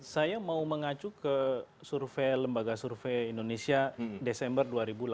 saya mau mengacu ke survei lembaga survei indonesia desember dua ribu delapan belas